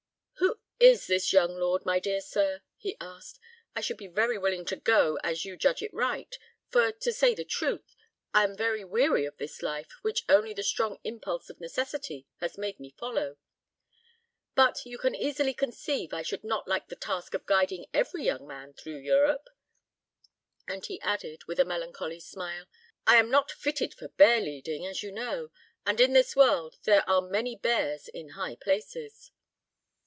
"Who is this young lord, my dear sir?" he asked. "I should be very willing to go, as you judge it right, for, to say the truth, I am very weary of this life, which only the strong impulse of necessity has made me follow; but you can easily conceive I should not like the task of guiding every young man through Europe;" and he added, with a melancholy smile, "I am not fitted for bear leading, as you know, and in this world there are many bears in high places."